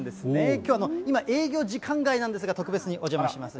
きょう、営業時間外なんですが、特別にお邪魔します。